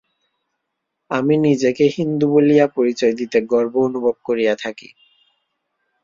আমি নিজেকে হিন্দু বলিয়া পরিচয় দিতে গর্ব অনুভব করিয়া থাকি।